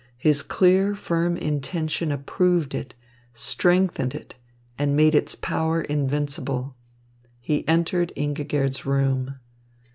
His clear, firm intention approved it, strengthened it, and made its power invincible. He entered Ingigerd's room.